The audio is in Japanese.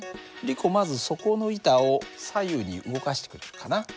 リコまずそこの板を左右に動かしてくれるかな。